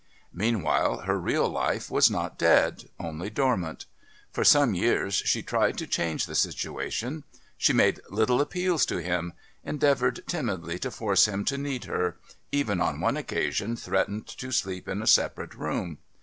Meanwhile her real life was not dead, only dormant. For some years she tried to change the situation; she made little appeals to him, endeavoured timidly to force him to need her, even on one occasion threatened to sleep in a separate room.